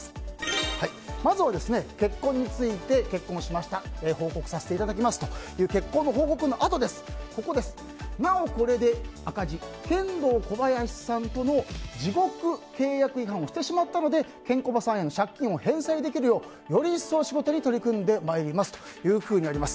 まずは結婚について結婚しました報告させていただきますという結婚報告のあとになお、これでケンドーコバヤシさんとの地獄契約違反をしてしまったのでケンコバさんへの借金を返済できるようより一層仕事に取り組んでまいりますというふうにあります。